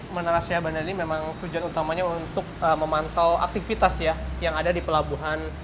menara syah bandar ini memang tujuan utamanya untuk memantau aktivitas ya yang ada di pelabuhan